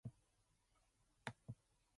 The music video for the single What's Luv?